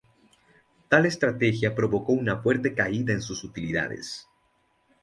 Tal estrategia provocó una fuerte caída en sus utilidades.